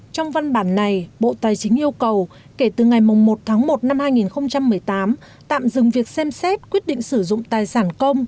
trong văn bản này bộ tài chính yêu cầu kể từ ngày một tháng một năm hai nghìn một mươi tám tạm dừng việc xem xét quyết định sử dụng tài sản công